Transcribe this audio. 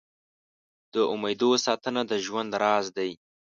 د امېدو ساتنه د ژوند راز دی.